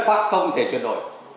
đó không thể chuyển đổi